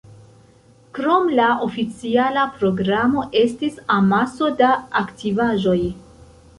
Krom la oficiala programo estis amaso da aktivaĵoj.